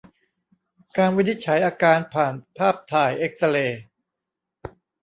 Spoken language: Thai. การวินิจฉัยอาการผ่านภาพถ่ายเอ็กซ์เรย์